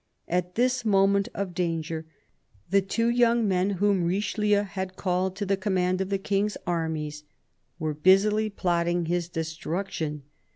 At this moment of danger, the two young men whom Richelieu had called to the command of the King's armies were busily plotting his destruction.